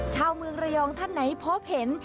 ชาวเมืองระยองท่านไหนพบเห็น